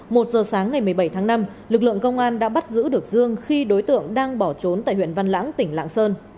một giờ sáng ngày một mươi bảy tháng năm lực lượng công an đã bắt giữ được dương khi đối tượng đang bỏ trốn tại huyện văn lãng tỉnh lạng sơn